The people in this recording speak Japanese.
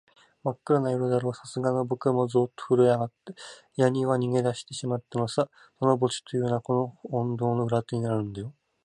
まっくらな夜だろう、さすがのぼくもゾーッとふるえあがって、やにわに逃げだしてしまったのさ。その墓地っていうのは、この本堂の裏手にあるんだよ。